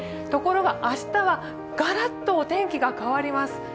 ところが明日はがらっとお天気か変わります。